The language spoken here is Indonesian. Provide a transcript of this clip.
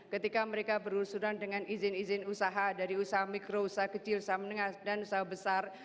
ketika mereka berurusuran dengan izin izin usaha dari usaha mikro usaha kecil usaha menengah dan usaha besar